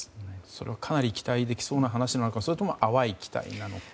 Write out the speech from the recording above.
それはかなり期待できそうな話なのかそれとも淡い期待なのか。